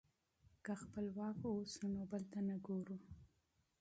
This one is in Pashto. که خپلواک اوسو نو بل ته نه ګورو.